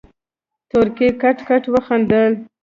تورکي کټ کټ وخندل.